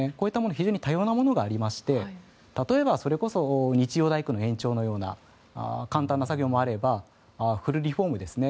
非常に多様なものがありまして例えば、それこそ日曜大工の延長のような簡単な作業もあればフルリフォームですね。